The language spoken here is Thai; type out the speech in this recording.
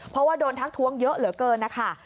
เพราะว่าโดนทักทวงเยอะเหลือเกินนะคะ